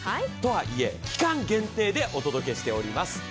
とはいえ期間限定でお届けしております。